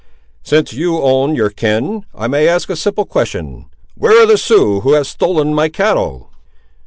"Since you own your kin, I may ask a simple question. Where are the Siouxes who have stolen my cattle?"